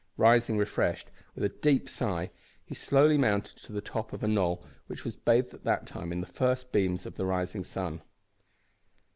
Rising, refreshed, with a deep sigh, he slowly mounted to the top of a knoll which was bathed at the time in the first beams of the rising sun.